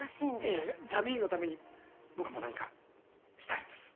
いえジャミーンのために僕も何かしたいんです